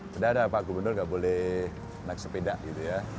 sudah ada pak gubernur nggak boleh naik sepeda gitu ya